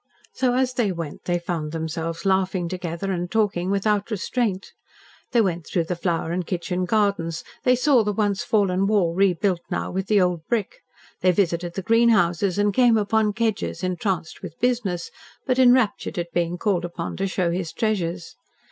So as they went they found themselves laughing together and talking without restraint. They went through the flower and kitchen gardens; they saw the once fallen wall rebuilt now with the old brick; they visited the greenhouses and came upon Kedgers entranced with business, but enraptured at being called upon to show his treasures.